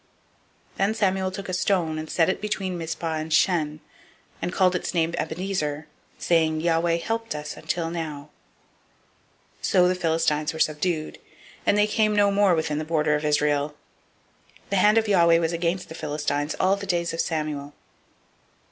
007:012 Then Samuel took a stone, and set it between Mizpah and Shen, and called the name of it Ebenezer, saying, Hitherto has Yahweh helped us. 007:013 So the Philistines were subdued, and they came no more within the border of Israel: and the hand of Yahweh was against the Philistines all the days of Samuel.